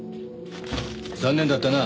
残念だったな。